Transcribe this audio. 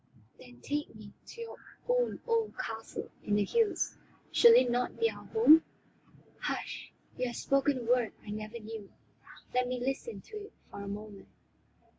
"Then take me to your own old castle in the hills. Shall it not be our home?" "Hush, you have spoken a word I never knew; let me listen to it for a moment."